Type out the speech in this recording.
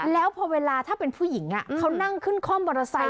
แล้วพอเวลาถ้าเป็นผู้หญิงเขานั่งขึ้นคล่อมมอเตอร์ไซค